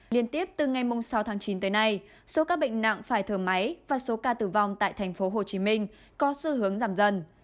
liên tiếp từ ngày sáu tháng chín tới nay số các bệnh nặng phải thở máy và số ca tử vong tại tp hcm có xu hướng giảm dần